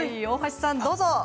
大橋さんどうぞ。